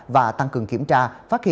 và tăng cường kiểm tra